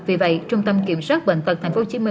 vì vậy trung tâm kiểm soát bệnh tật tp hcm